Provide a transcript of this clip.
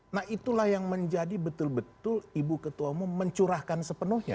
nah itulah yang menjadi betul betul ibu ketua umum mencurahkan sepenuhnya